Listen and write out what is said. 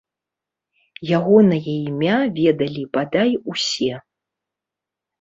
Ягонае імя ведалі, бадай, усе.